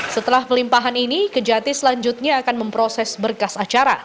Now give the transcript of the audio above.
setelah pelimpahan ini kejati selanjutnya akan memproses berkas acara